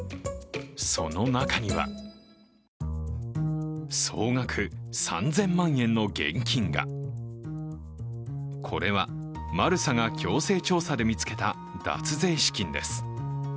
その中には、総額３０００万円の現金がこれは、マルサが強制調査で見つけた脱税資金です。